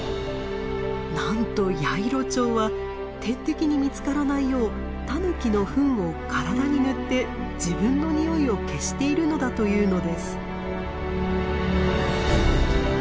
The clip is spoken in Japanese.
なんとヤイロチョウは天敵に見つからないようタヌキのフンを体に塗って自分のにおいを消しているのだというのです。